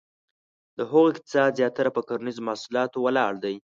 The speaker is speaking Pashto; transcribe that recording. د هغو اقتصاد زیاتره په کرنیزه محصولاتو ولاړ دی.